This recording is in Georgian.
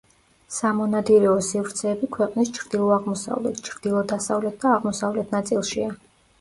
სამონადირეო სივრცეები ქვეყნის ჩრდილო-აღმოსავლეთ, ჩრდილო-დასავლეთ და აღმოსავლეთ ნაწილშია.